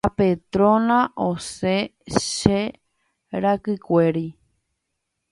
ha Petrona osẽ che rakykuéri.